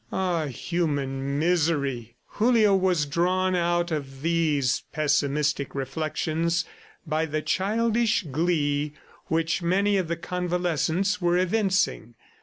... Ah, human misery! Julio was drawn out of these pessimistic reflections by the childish glee which many of the convalescents were evincing.